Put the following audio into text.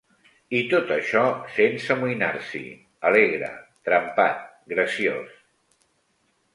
I tot això sense amoïnar-s'hi, alegre, trempat, graciós